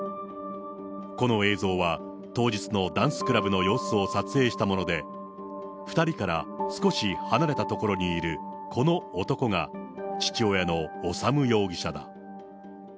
この映像は、当日のダンスクラブの様子を撮影したもので、２人から少し離れた所にいるこの男が父親の修容疑者だ。